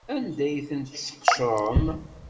Anda ay ten-tesqecrem?